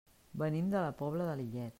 Venim de la Pobla de Lillet.